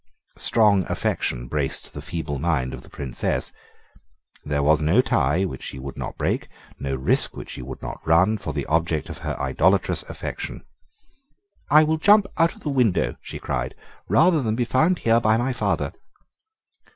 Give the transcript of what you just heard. Strong affection braced the feeble mind of the Princess. There was no tie which she would not break, no risk which she would not run, for the object of her idolatrous affection. "I will jump out of the window," she cried, "rather than be found here by my father."